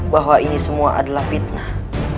bahwa ini semua adalah fitnah